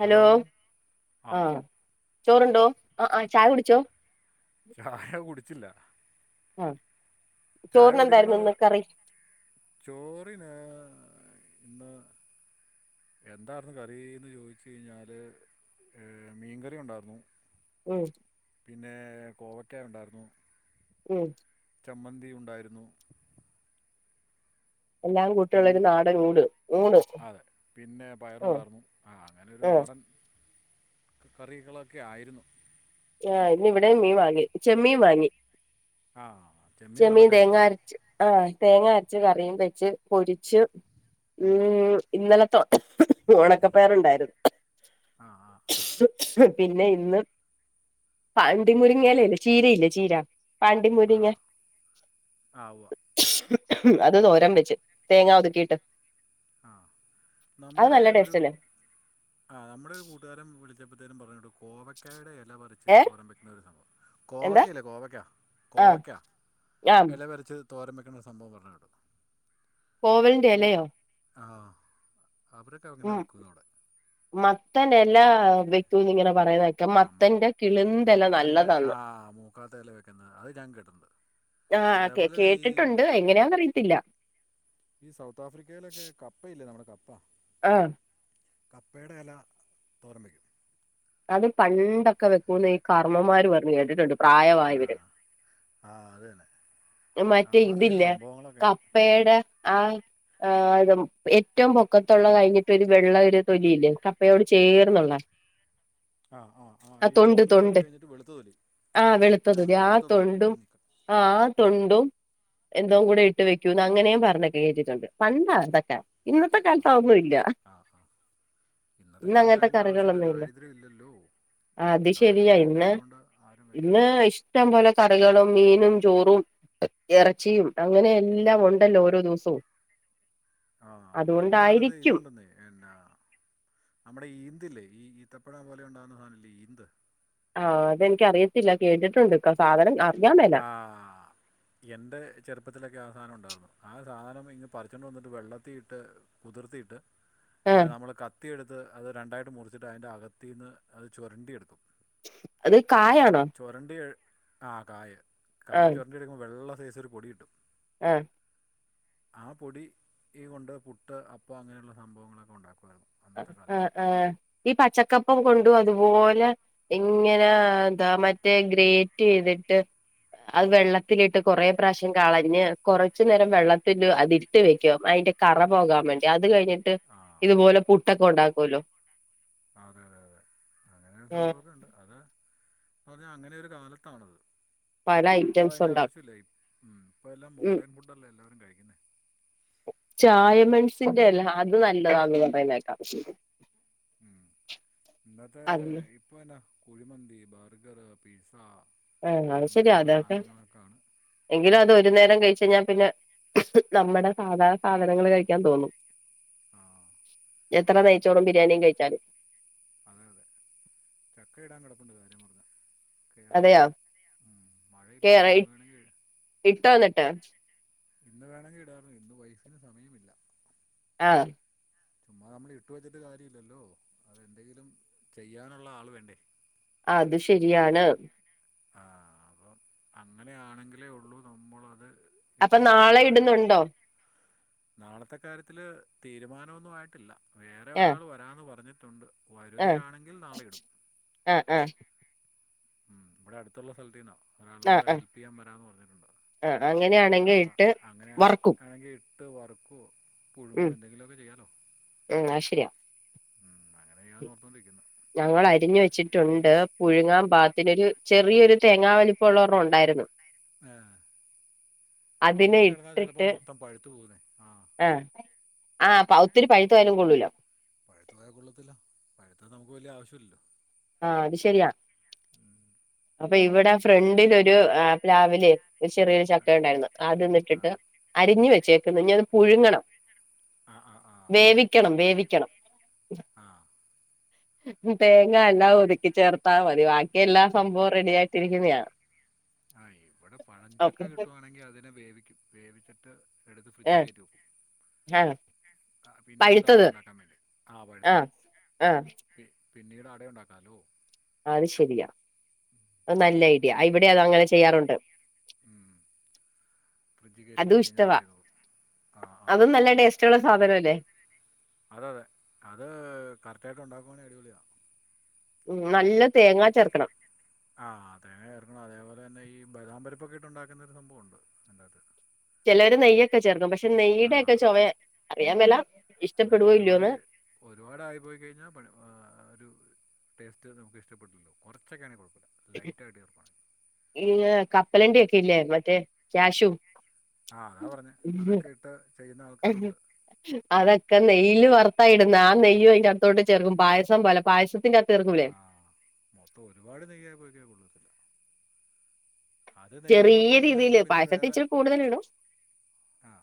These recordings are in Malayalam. ഹലോ ആ ചോറുണ്ടോ അ ആ ചായ കുടിച്ചോ ചായ കുടിച്ചില്ല മ് ചായ കുടിക്കണത് ചോറിന് ഇന്ന് എന്താർന്നു കറീന്ന് ചോയ്ച്ച്കഴിഞ്ഞാല് മീൻകറി ഉണ്ടായിരുന്നു ഉം പിന്നെ കോവക്കായുണ്ടായിരുന്നു ഉം ചമ്മന്തി ഉണ്ടായിരുന്നു എല്ലാം പിൻ കൂട്ടിയുള്ളൊരു നാടൻ ഊട് ഊണ് അതെ പിന്നെ ഉം പയറുണ്ടായിരുന്നു ആ അങ്ങനെ ഒരു ഉം നാടൻ കറികളൊക്കെ ആയിരുന്നു ആ ഇന്ന് ഇവിടെ മീൻ വാങ്ങി ചെമീൻ വാങ്ങി ആ നല്ല ചെമ്മീൻ തേങ്ങാ ടേസ്റ്റല്ലേ അരച്ച് ആ തേങ്ങാ അരച്ച് കറിയും വെച്ച് പൊരിച്ച് ഉം ഇന്നലത്തോ ഒണക്ക പയറുണ്ടായിരുന്നു ആ ആ ആ പിന്നെ ഇന്ന് പാണ്ടി മുരിങ്ങയിലയില്ലേ ചീരയില്ലേ ചീര പാണ്ടി ആ മുരിങ്ങ ആ ഉവ്വ അത് തൊരംവെച്ച് തേങ്ങ ഒതുക്കിട്ട് ആ നമ്മുടെ ഒരു ടേസ്റ്റ് അല്ലേ ആ നമ്മുടെ ഒരു കൂട്ടുകാരൻ വിളി [unintelligible] കോവക്കായുടെ ഇലപറിച്ച് ഏഹ് തോരൻ വയ്ക്കുന്ന വിധം എന്താ കോവയ്ക്കല്ലേ കോവയ്ക്കാ ആഹ് കോവയ്ക്കാ ആഹ് ഇല പറിച്ച് തോരംവെക്ക്ണ സംഭവം പറഞ്ഞ് കേട്ടിട്ടുണ്ട് കോവെലിന്റെ എലയോ ആ അവരൊക്കെ അങ്ങനെ ഉം വെക്കുന്നു അവിടെ മത്തനെല്ലാ വെക്കുവാനിങ്ങനെ ആ മ മത്തന്റെ നല്ലതാന്ന് ആഹ മൂക്കാത്തല വെക്കുന്നത് അത് ഞാൻ കിട്ടണ്ട് ആഹ് കേ അതേപോലെ തന്നെ ഈ കേട്ടിട്ടുണ്ട് എങ്ങനെയാന്നറിയത്തില്ല ഈ സൗത്ത് ആഫ്രിക്കയിലൊക്കെ കപ്പയില്ലേ നമ്മുടെപ്പ പ്പ ആഹ കപ്പയുടെ ഇല തോരമ്പവെക്കും അത് പണ്ടൊക്കെ വെക്കുംന്ന് ഈ കർണവൻ മാര് പറഞ്ഞ കേട്ടിട്ട് എടുക്കും ആ പ്രായമായ വരും ആ അത് തന്നെ മറ്റേ ആ സൈസ് ഇതില്ല സംഭവങ്ങളൊക്കെയാണ് കപ്പയുടെ ആ ആ അത ഏറ്റവും പൊക്കത്തുള്ള കഴിഞ്ഞിട്ട് ഒരു വെള്ള ഒരു തൊലിയില്ലേ കപ്പയോട് ചേർന്നുള്ള ആഹ ആ ആ് ഈ തൊണ്ട് ചുവന്ന തൊലി തൊണ്ട് കഴിഞ്ഞിട്ട് വെളുത്ത തൊലി ആഹ് വെളുത്ത ആഹ തൊലി വെളുത്തതുണ്ട് ഉ ും എന്തോ കൂടെ ഇട്ട് വെക്കൂന്ന് അങ്ങനെയും പറഞ്ഞൊക്കെ കേട്ടിട്ടുണ്ട് പണ്ടാ ഇതൊക്കെ ഇന്നത്തെ ആഹ് കാലത്ത് ഒന്നുംല്ല ആഹ് ആഹ് ഇന്നത്തെ ഇന്ന കാലത്ത് അങ്ങനത്തെ അതിൻ്റെ ആവശ്യമില്ല കറികളൊന്നും ഇല്ല ദാരിദ്ര്യം ഇല്ലല്ലോ അത് ശരിയാ ദാരിദ്ര്യം ഇന്ന് ഇല്ലാതുകൊണ്ട് ആരും ഇന്ന് വെക്കുന്നില്ല ഇഷ്ടം പോലെ കറികളും മീനും ചോറും ഇറച്ചിയും അങ്ങനെയെല്ലാം ഉണ്ടല്ലോ ഓരോ ദിവസവും ആഹ പണ്ട കാലത്ത് അതുകൊണ്ടായിരിക്കും ഇതുണ്ടന്ന്ാ നമ്മുടെ ഈ ഇന്ത്ല് ഈ ഇത്തപ്പഴ പോലെ ഉണ്ടാവകുന്ന സാധനില്ലേ ഇന്ത് ആ് അതെനിക്ക അറിയത്തില്ല കേട്ടിട്ടുണ്ട് സാധനം അറിയാൻ മേല ആ എന്റെ ചെറുപ്പത്തിലൊക്കെ സാധനമ ഉണ്ടായിരുന്നു ആ സാധനം ഇ പറിച്ചുകൊണ്ട് വന്നിട്ട് വെള്ളത്തിയിട്ട് കുതിർത്തിയിട്ട് ആഹ് നമ്മള് കത്തി എടുത്ത് അത് അത് രണ്ടായിട്ട് മുറിച്ചിട്ട് അതി്ന്റെ അകത്തു നിന്ന് അത് ചുരണ്ടി എടുക്കും അത് കായണോ ആഹ കായ കാ ചൊരഞ്ഞ എടുക്ക്പോ വെള്ള േസര് പൊടി കട്ടും ആഹ ആ പൊടി കൊണ്ട് പുട്ട് അപ്പ അങ്ങനെയുള്ള സംഭവങ്ങളൊക്കെ ഉണ്ടാക്കുുവമായിരുന്നു ആ ആ ഈ പച്ചക്കപ്പം കൊണ്ട അതുപോലെ ഇങ്ങനെ എന്താ മറ്റേ ഗ്രേറ്റ് ചെയ്തിട്ട് അത് വെള്ളത്തിലിട്ട് കൊറെേ പ്രാവശ്യം കളഞ്ഞ് കൊറച്ച നേരം വെള്ളത്തി അതിരുത്ത് വെക്കും അതിന്റെ കറ പോകാൻ വേണ്ടി അത് കഴിഞ്ഞ ് ആ ഇതുപോലെ പു തൊക്കെ ഉണ്ടാക്കുമല്ലോ അതെ അതെ അതെ അങ്ങനെ ഒരു ആഹ് സംഭവൊക്കെ ഉണ്ട് അതെ പറഞ്ഞ അങ്ങനെയൊ ഒരു കാലത്താണത് പല ഇപ്പൊ ഐറ്റംസ് അതിന്റെ ഉണ്ടാക്കും ആവശ്യമില്ല ഇപ്പ എല്ലാം മോഡേൺ ഫുഡല്ലേ എല്ലാവരും കഴി ചായമെൺസിന്റെ അല്ല അത് നല്ലതാന്ന് പറയുന്നേക്കാം അതിന് [unintelligible] കുഴിമന്തി ബർഗർ പിസ്സാ ആ അത് ശരിയാ അതൊക്കെ എങ്കിലും അത് ഒരു നേരം കഴിച് [unintelligible] പിന്ന ഞാൻ പിന്ന നമ്മടെ സാധാ സാധനങ്ങള് കഴിക്കാൻ തോന്നും ആ എത്ര നെയ്യ്ചോറും ബിരിയാണിയും കഴിച്ചാല് അതെ അതെ ചക്കയിടാൻ കിടപ്പുണ്ട് കാര്യം പറഞ്ഞ അതെയോ മഴയില്ലാതെ ഇന്ന് [unintelligible] വേണമെങ്കിൽ ഇട്ടോ എന്നി ട്ട് ഇന്ന് വേണമെങ്കിൽ ഇടാർന്നു ഇന്ന് വൈഫിന് സമയവും ഇല്ല ആ ചുമ്മാ നമ്മൾ ഇട്ട് വെച്ചിട്ട് കാര്യല്ലല്ലോ അതെന്തെങ്കിലും ചെയ്യാനുള്ള ആള് വേണ്ടേ അത് ശരിയാണ് ആ അപ്പം അങ്ങനെയാണെങ്കിലേ ഉള്ളു നമ്മൾ അത് അപ്പൊ നാളെ ഇടുന്നുണ്ടോ നാളത്തെ കാര്യത്തില് തീരുമാനമൊന്നും ആയിട്ടില്ല വേറെ ഒരാൾ [unintelligible] അ വരികയാണെങ്കിൽ നാളെ ഇടും ആ ആ മ്മ് ഇവിടെ അടുത്തുള്ള സ്ഥലത്തീന്നാ [unintelligible] ആഹ് കൂടെ ആഹ് ഹെൽപ്പ് ചെയ്യാൻ വരാന്ന് പറഞ്ഞിട്ടുണ്ട് ആഹ് അങ്ങനെയാണെങ്കി അപ്പം ഇട്ട് അങ്ങനെ വറക്കും ആണെങ്കിൽ ഇ ട്ട് വർക്കോ പുഴുങ്ങോ ഉം എന്തെങ്കിലുമൊക്കെ ചെയ്യാലോ ഉം അത് ശരിയാ അങ്ങനെ ചെയ്യാന്നു ഓർത്തോണ്ടിരിക്കുന്നു ഞങ്ങൾ അരിഞ്ഞു വെച്ചിട്ടുണ്ട് പുഴുങ്ങാൻ പാ ത്തിനൊരു ചെറിയൊരു തേങ്ങ വലിപ്പ ഉള്ള ഒരെണ്ണം ഉണ്ടായിരുന്നു ആ അതിനെ ഇനിയും കിടന്നാ ചിലപ്പോ ഇട്ടിട്ട് മൊത്തം പഴുത്തു പോകുന്നേ ആ ആ പൗ ഒത്തിരി പഴുത്തു പോയാലും കൊള്ളൂല പഴുത്ത് പോയാൽ കൊള്ളത്തില്ല പഴുത്ത നമുക്ക് വലിയ ആവശ്യമില്ലല്ലോ ആ അത് ശരിയാ ഉം അപ്പൊ ഇവിടെ ഫ്രണ്ടിലൊരു പ്ലാവില് ചെറിയൊരു ചക്ക ഉണ്ടായിരുന്നു അതിന്ന് ആ ഇട്ടിട്ട് അരിഞ് വെച്ചേ [unintelligible] പുഴുങ്ങണം ആ ആ ആ ആ വേവിക്കണം വേവി ആ [unintelligible] തേങ്ങ എല്ലാം ഒതുക്കി ചേർത്താൽ മതി ബാക്കിയെല്ലാം സംഭവം റെഡിയാറ്റിട്ടിരിക്കുന്നെയാ ആ ഇവിടെ പഴഞ്ചക്ക കിട്ടവാണെങ്കിൽ അതിനെ വേവിക്കും വേവിച് [unintelligible] എടുത്ത് ഫ്രിഡ്ജിൽ കേറ്റു [unintelligible] ആഹ [unintelligible] ആ പിന്നീട് അട ഉണ്ടാക്കാൻ വേണ്ടി ആ പഴുത്തത് ആഹ് ആഹ് പിന്നീട് അട ഉണ്ടാക്കാലോ അത് ശരിയാ നല്ല ഐഡിയ ഇവിടെ അത് അങ്ങനെ ചെയ്യാറുണ്ട് ഉ ഫ്രിഡ്ജ് കയറ്റി അതും വെച്ച് കഴിഞ്ഞാൽ ഇഷ്ടവാ അവിടെ ഇരുന്നോളും ആ ആ അതും നല്ല ടേസ്റ്റുള്ള സാധനല്ലേ അതതെ അത് കറക്റ്റ് ആയിട്ട് ഉണ്ടാക്കുവാണ അടിപൊളിയാ ഉ നല്ല തേങ്ങാ ചേർക്കണം ആഹ് തേങ്ങ ചേർക്കണം അതേപോലെ തന്നെ ഈ ബദാംമ്പരിപ്പൊക്കെ ഇട്ടുണ്ടാക്കുന്ന ഒരു സംഭവമ്മുണ്ട് അധിനകത്ത് ചിലവർ നെയ്യൊക്കെ ചേർന്നു പക്ഷെ നെയ്യുടെ ഒക്കെ ചുവ അറിയാൻ മേലാ എന്നാ ഒരുപാട് ഒരുപാട ആയി പോയി കഴിഞ്ഞാ പണി ആ ഒരു ടേസ്റ്റ് നമുക്ക്ഷ്ടപ്പെടൂല്ലല്ലോ കുറൊക്കെയാണങ്കിൽ കുഴപ്പ ലൈറ്റ് ആയിട്ട് ചേർക്കാണെങ്കിൽ പിന്നെ കപ്പലണ്ടി ഒക്കെ ഇല്ലേ മറ്റേ ക്യാഷു ആ് അതാ പറഞ്ഞ അതൊക്കെ ഇട്ട് ചെയ്യുന്ന ആൾക്കാരുണ്ട് ഒക്കെ നെയ്യില് വറുത്തായി ഇടുന്ന ആ നെയ്യ് അയിന്റെ അകത്തോട്ട് ചേർക്കും പായസം പോല പായസത്തിനകത്ത് ആഹ മൊത്തം ഒരുപാട് നെയ്യ ആയി പോയ കൊള്ളത്തില്ല അത് നെയ്യിലാ ചെറിയ രീതിയില് വറുത്തിടുന്നതെങ്കിൽ പിന്നെ പായസത്തിൽ വേറെ ഇച്ചിരി കൂടുതൽ ഇടും ആ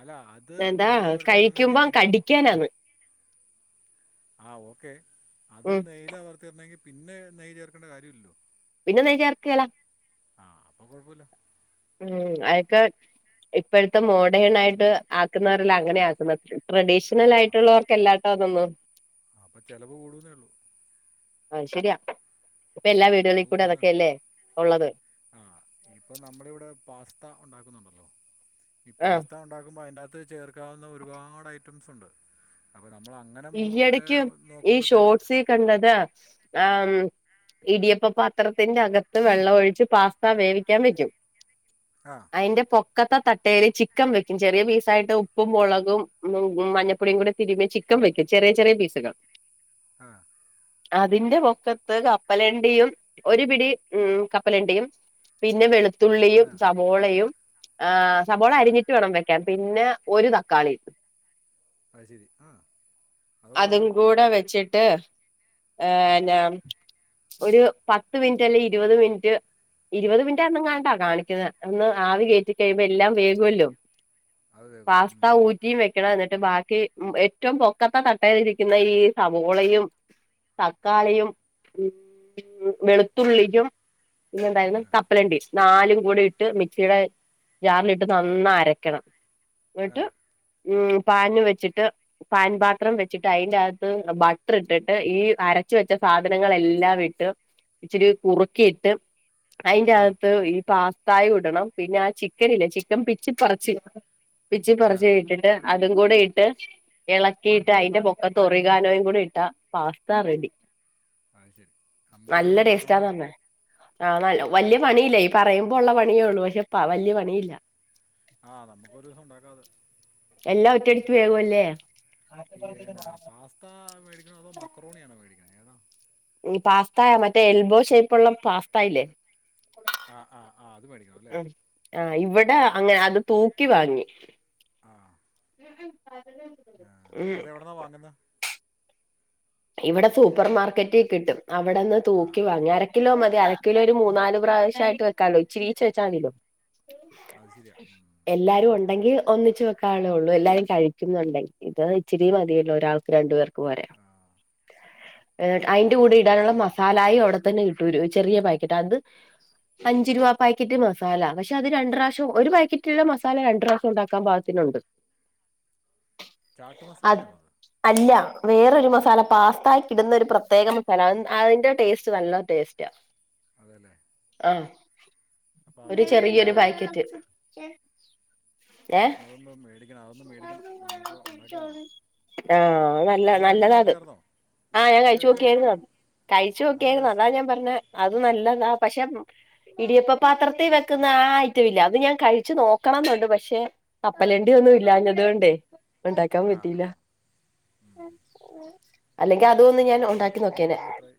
അല്ല അത് എന്താ നെയ്യിൽ വറുത്തിടുന്നെങ്കിൽ കഴിക്കുമ്പോം കടിക്കാനന്ന് ആഹ് ഓക്കെ അത് നെയ്യില വറുത്തരുന്നെങ്കി പിന്നെ നെയ് ചേർക്കേണ്ട കാര്യമല്ലോ പിന്നെ നെയ്യ് ചേർക്കെലാ ആഹ അപ്പൊ കൊഴപ്പമില്ല ഉം അതൊക്കെ ഇപ്പോഴത്തെ മോഡേൺ ആയിട്ട് ആക്കുന്നവരെല്ലാം അങ്ങനെ ആക്കുന്നത് ട്രഡീഷണൽ ആയിട്ടുള്ളവർക്ക്ല്ലാട്ടോന്നൊന്നു അപ്പൊ ചെലവ് കൂടന്നേള്ളു ആഹ ശരിയാ ഇപ്പൊ എല്ലാ വീടുകളിൽ ചിലവ് കൂടെ കൂടാൻ അതൊക്കെയല്ലേ ഉള്ളത് ത്ത ഉണ്ടാക്കുന്നുണ്ടല്ലോ ഈ ആ പാസ്ത ഉണ്ടാക്കുമ്പോ അതിന്റെ ത്ത് ചേർക്കാവുന്ന ഒരുപാട് ഐറ്റംസ് ഉണ്ട് അപ്പൊ നമ്മൾ അങ്ങനെ മോ ഈയിടക്ക് ഏഹ് ഈ നോക്കുമ്പോത്തേനും ഷോർട്സ് കണ്ടതാ ആം ഇടിയപ്പ പാത്രത്തിന്റെഅകത്തു വെള്ള ഒഴിച്ച് പാസ്തവേവിക്കാൻ വെക്കും ആഹ് അയിന്റെ പൊ മുക്കത്ത തട്ടേരി ചിക്കൻ വെക്കും ചെറിയ പീസായിട്ട് ഉപ്പും മുളകും മഞ്ഞപ്പൊടിയും കൂടി തിരുമി ചിക്കൻ വെക്കും ചെറിയ ചെറിയ പീസുകൾ ആഹ് അതിന്റെ പൊക്കത്ത് കപ്പലണ്ടിയും ഒരു പിടി ഉം കപ്പലണ്ടിയും പിന്നെ വെളു തുള്ളിയും ആഹ് സബോളയും ആഹ് സബോള ആഹ് അരിഞ്ഞട്ട് വേണം വെക്കാൻ. പിന്നെ ഒരു തക്കാളിയും ആ ശരി ആഹ് അത് കൊള്ളാലോ അതുക്കൂടെ വെച്ചി ട്ട് ആഹ് എന്ന ഒരു പത്ത് മിനിറ്റ് അല്ലെ ഇരുപത് മിനിറ്റ് ഇരുപത് മിനിറ്റ് എന്നയേണ്ടേ കാണിക്കുന്ന ഒന്ന് ആവി കയറ്റി കഴിയുമ്പോ എല്ലാം വെക്കുമല്ലോ. അത് കേൾക്കും പാസ്ത ഉം ഊറ്റിയും വെക്കണ എന്നി ബാക്കി ഉം ഏറ്റവും പൊക്കത്തെ തട്ടയില് ഇരിക്കുന്ന ഈ സവോളയും തക്കാളിയും ഉം വെളുത്തുള്ളിക്കും. പിന്നെ എന്തായിരുന്നു ആഹ് കപ്പലണ്ടി. നാലും കൂടി ഇട്ട് മിക്സിയുടെ ജാറിലിട്ട് നന്നാ അരക്കണം. വെട്ട് ആഹ് ഉം പാന് വെച്ചിട്ട് പാൻ പാത്രം വെച്ചിട്ട് അതിന്റെ അകത്ത് ബട്ടർ ഇട്ടിട്ട് ഈ അരച്ച വെച്ച സാധനങ്ങളെല്ലാം ഇട്ട് ഇച്ചിരി കുറുക്കിയിട്ട്. അയിന്റെ ആഹ് അകത്ത് ഈ പാസ്തായും. ക്കണം പിന്നെ ആ ചിക്കൻ ഇല്ലേ ചിക്കൻ പിച്ചി പറച്ച്. പിച്ചി ആഹ് പറച്ച് ഇട്ടിട്ട്. അതും കൂടെ ഇട്ട്. ഉം ഇളക്കിയിട്ട് അതിന്റെ പൊക്കൊത്ത [unintelligible] കൂടി ഇട്ടാ പാസ്ത റെഡി. അത് ശരി നമുക്ക് ഒരു ദിവസം ഉണ്ടാക്കണല്ലോ. ആഹ് നല്ല വാല്യ പണിയില്ല ഈ പറയുമ്പോ ഉള്ള പണിയേള്ളൂ പക്ഷെ വല്യ പണിയില്ല. ആഹ് നമുക്ക് ഒരുദിവസം ഉണ്ടാക്കാം അത്. എല്ലാ ഉം ഒറ്റയടിക്ക് വെക്കുമല്ലേ. ഈ എന്നാ പാസ്ത മേടിക്കണോ അതോ മക്കറോണിയാണോ മേടിക്കണേ ഏതാ പാസ്ത മറ്റേ എൽബോ ഷേപ്പ് ഉള്ള പാസ്ത ഇല്ലേ. ആഹ് ആഹ് ആഹ് അത് മേടിക്കണമല്ലേ. ആ ഇവിടെ അങ്ങ് അത് തൂക്കിവാങ്ങി. ആഹ് [unintelligible] ആഹ് ഉം അത് എവിടന്നാ വാങ്ങുന്ന. ഇവിടെ സൂപ്പർ മാർക്കറ്റിൽ കിട്ടും അവിടെന്ന് ആഹ് തൂക്കിവാങ്ങിക്കുക അരക്കിലോ മതി അരക്കിലോ ഒരു മൂന്നാല് പ്രാവശ്യ ആയിട്ട് വെക്കാല്ലോ ഇച്ചിരിയിച്ചിരി വച്ചാൽ മതിയല്ലോ. അത് ശരിയാ ഉം എല്ലാരും ഒ ണ്ടെങ്കിൽ ഒന്നിച്ച് വെക്കാനുള്ളതേ ഉള്ളൂ എല്ലാരും കഴിക്കുന്നുണ്ടെങ്കി ഇത് ഇച്ചിരി മതിയല്ലോ ഒരാൾക്ക് രണ്ടു പേർക്ക് പോരെ ആ ആ, അയിന്റെ കൂടെ നല്ല ഇടാനുള്ള ടേസ്റ്റായിരുന്നു അത് മസാലായയും അവിടെത്തന്നെ ഒരു ചെറിയ പാക്കറ്റ് അത് അഞ്ചു രൂപ പാക്കറ്റ് മസാല പക്ഷെ അത് രണ്ട് പ്രാവശ്യം ഒരു പാക്കറ്റുള്ള മസാല രണ്ട് പ്രാവശ്യം ഉണ്ടാക്കാൻ പാകത്തിനുണ്ട് ചാട്ട് മസാല അത് ആണോ അല്ല വേറൊരു മസാല പാസ്തായിക്ക് ഇടുന്ന ഒരു പ്രത്യേക മസാല അതിന്റെ ടേസ്റ്റ് നല്ല ടേസ്റ്റാ അതേല്ലേ ആ ഒരു ചെറിയൊരു പാക്കറ്റ് ഏ അതൊന്ന് മേടിക്കണം അതൊന്ന് മേടിക്കണം നമുക്ക് ഉണ്ടാക്കി നോക്കണം ആ നല്ല നീ കഴിച്ചു നല്ലതാ അത് നോക്കിയാരുന്നോ ആ ഞാൻ കഴിച്ചു നോക്കിയാരുന്നു കഴിച്ചു നല്ല നോക്കിയാരുന്നു ടേസ്റ്റ് അതാ ഞാൻ പറഞ്ഞെ അത് നല്ലതാ പക്ഷേ പക്ഷെ ഇടിയപ്പ പാത്രത്തിൽ വെക്കുന്ന ആ ഐറ്റം ഇല്ലേ അത് ഞാൻ കഴിച്ചു നോക്കണോന്നുണ്ട് പക്ഷെ കപ്പലണ്ടി ഒന്നും ഇല്ലാഞ്ഞതുകൊണ്ടേ ഉണ്ടാക്കാൻ ആ പറ്റിയില്ല അല്ലെങ്കിൽ ആ അതും ഒന്ന് അപ്പൊ ഞാൻ അത് ഉണ്ടാക്കി നോക്കിയേനെ നമുക്കൊന്ന് ട്രൈ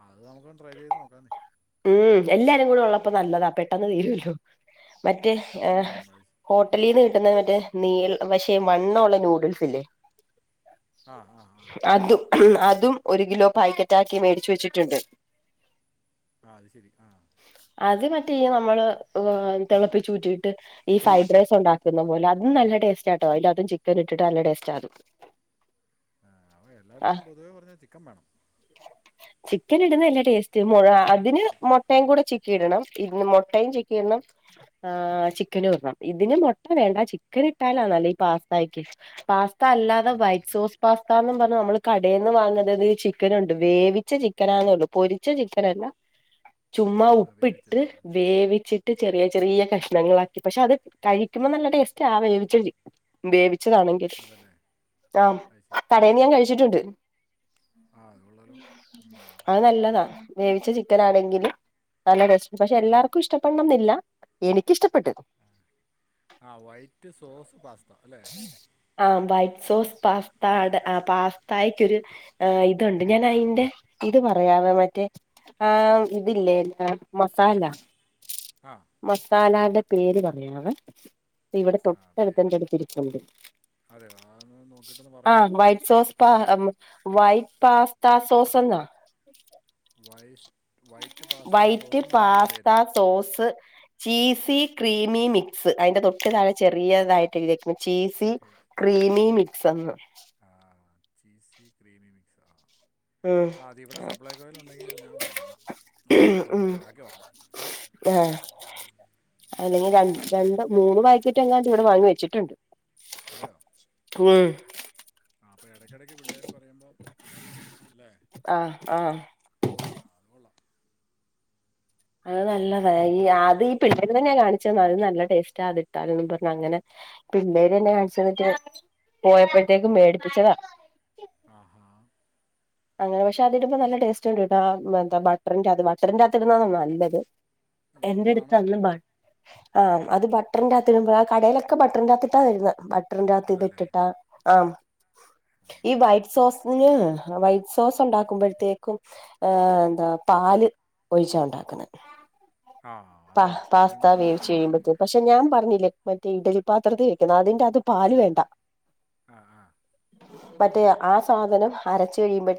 ആ അത് നമുക്കൊന്ന് ട്രൈ ചെയ്ത് നോക്കാന്നേ ഉം എല്ലാരും കൂടെ ഉള്ളപ്പോ നല്ലതാ പെട്ടെന്ന് തീരുവല്ലോ മറ്റേ ഉം അത് ശ- ഹോട്ടലീന്ന് മറ്റേ നീ പക്ഷെ വണ്ണം ഉള്ള നൂഡിൽസ് ഇല്ലേ ആ ആ ആ അതും അതും ഒരു കിലോ പായ്ക്കറ്റാക്കി മേടിച്ച് വെച്ചിട്ടുണ്ട് ആ അത് ശരി ആ റ്റേ നമ്മള് തിളപ്പിച്ച് ഊറ്റിയിട്ട് ഈ ഫ്രൈഡ്റൈസ് ഉണ്ടാക്കുന്ന പോലെ അതും നല്ല ടേസ്റ്റാട്ടോ അതിന്റകത്തും ചിക്കൻ ഇട്ടിട്ട് നല്ല ടേസ്റ്റാ അതും ആ ആ ആ എല്ലാത്തിനും പൊതുവേ പറഞ്ഞാ ചിക്കൻ വേണം ചിക്കൻ ഇടുന്ന എല്ലാ ടേസ്റ്റ് മുഴ അതിന് മുട്ടയും കൂടെ ചിക്കിയിടണം മുട്ടയും ചിക്കിയിടണം ആ ചിക്കനും ഇടണം ഇതിന് മുട്ട വേണ്ട ചിക്കൻ ഇട്ടാലാണല്ലേ ഈ പാസ്തക്ക് പാ സ്ഥാ അല്ലാതെ ആ അത് വൈറ്റ് ശരി സോസ് പാസ്താന്ന് പറഞ്ഞു നമ്മള് കടയിൽ നിന്ന് വാങ്ങുന്നത് ചിക്കൻ ഉണ്ട് വേവിച്ച ചിക്കനാന്നേ ഉള്ളൂ പൊരിച്ച ചിക്കനല്ല ചുമ്മാ ആ വേവിച്ചത് ഉപ്പിട്ട് അല്ലേ? വേവിച്ചിട്ട് ചെറിയ ചെറിയ കഷണങ്ങളാക്കി പക്ഷെ അത് കഴിക്കുമ്പോ നല്ല ടേസ്റ്റാ ആ വേവിച്ച ചി വേവി വിച്ചതാണെങ്കിൽ അതല്ലേ ആം അത് ശരി ആ കടയിൽ നിന്ന് ഞാൻ കഴിച്ചിട്ടുണ്ട് ആ അത് കൊള്ളാലോ ഉം. അത് നല്ലതാ വേവിച്ച ചി ആണെങ്കിലും നല്ല രസ പക്ഷെ ആ എല്ലാർക്കും ഇഷ്ടപ്പെടണമെന്നില്ല എനിക്കിഷ്ടപ്പെട്ട് ആ വൈറ്റ് സോസ് പാസ്ത അല്ലേ ആ വൈറ്റ് സോസ് പാസ്താടെ ആ പാസ്തക്കൊരു ഇതുണ്ട് ഞാൻ അതിന്റെ ഇത് പറയാവേ മറ്റേ ആഹ് ഇതില്ലേ മസാല ആ മസാലാ എന്റെ പേര് പറയാണ് ഇവിടെ ആ പേ തൊട്ടടുത്തന്റെ അടുത്തിരിണ്ട് അതെ അതൊന്ന് നോക്കിയിട്ടൊന്ന് ആ പറയാമെന്ന് വറ്റ് സോസ് പ വൈറ്റ് പാസ്ത സോസ് എന്നാ വൈസ് വൈറ്റ് പാസ്ത വൈറ്റ് സോസ് എന്നാണ് അതിൻ്റെ പാസ്ത പേര് സോസ് ചീസി ക്രീമി മിക്സ് അതിന്റെ തൊട്ട താണ് ചെറിയതായിട്ട് എഴുതിേക്കുന്നത് ചീസ് എഴ്- ക്രീമീ സന്ന് ആ ചീസി ക്രീംമി മിക്സാ ഉം അതിവിടെ സപ്ലൈ കോയില് ഉണ്ടെങ്കിൽ ഞാൻ വാങ്ങാം നോക്കട്ടെ ഉം എന്നിട്ട് ഉണ്ടാക്കി നോക്കണം ആഹ് അല്ലെങ്കിൽ രണ്ട് രണ്ട് മൂന്ന് പാക്കറ്റ് എങ്ങാട് ഇവിടെ വാങ്ങി വെച്ചിട്ടുണ്ട് അതെയോ ഉം അപ്പൊ ഇടക്ക് ഇടയ്ക്കു പിള്ളാര്‌ പറയുമ്പോൾ ഉണ്ടാക്കി കൊടുക്കും ആഹ് ആഹ് ആഹ് അത് കൊള്ളാം അത് നല്ലതാ ഈ അത് ഈ പിള്ളേര് തന്നെയാ കാണിച്ചു തന്ന അത് നല്ല ടേസ്റ്റ് അത് ഇട്ടാലും പറഞ്ഞ അങ്ങനെ പിള്ളേര് തന്നെ കാണിച്ചു തന്നിട്ട് പോയപ്പോഴത്തേക്കും മേടിപ്പിച്ചതാ ആഹാ അങ്ങനെ പക്ഷെ അതി ഇടുമ്പോ നല്ല ടേസ്റ്റ് ഉണ്ട്ട്ടാ എന്ത ബട്ടറിന്റെ അകത്ത് ബട്ടറിന്റെറകത്ത് ഇടുന്നന്നാണ് നല്ലത് എന്റെ അടുത്ത് ബട്ടറാണ് അന്നും പ ബാറ്ററിനാക്കതു ഇടുമ്പോൾ ആ കടയിലൊക്കെ ബട്ടറിനകത്തിട്ടാ വരുന്ന ബാ ബാറ്ററിന്റെ അകത്തു ഇത് അതല്ലേ ഇട്ടിട്ടു ആ ആം ഈ വൈറ്റ് സോസന് വൈയ് സോസ് ഉണ്ടാക്കുമ്പോഴത്തേക്കും ഏ എന്താ പാല് ഒഴിച്ചാ ഉണ്ടാക്കുന്നെ ആ പ അതെ അതെ ഞാൻ പാസ്ത വേവച്ച് കഴിയുമ്പത്തേ പക്ഷെ ഞാൻ പറഞ്ഞില്ലേ മറ്റേ ഇഡലി പാത്രത്തിൽ വെക്കുന്നു അതിന്റെ ത് പാല് ആ വേണ്ട ആ ആ മറ്റേ ആ സാധനം അരച് കഴിയുമ്പ